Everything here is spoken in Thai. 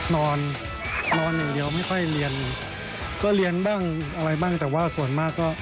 นอนนอนอย่างเดียวไม่ค่อยเรียนก็เรียนบ้างอะไรบ้างแต่ว่าส่วนมากก็